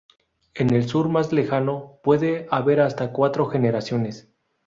En el sur más lejano, puede haber hasta cuatro generaciones.